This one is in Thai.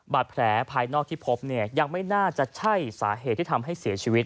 บาดแผลภายนอกที่พบเนี่ยยังไม่น่าจะใช่สาเหตุที่ทำให้เสียชีวิต